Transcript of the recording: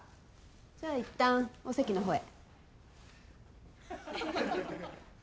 じゃあいったんお席のほうへ。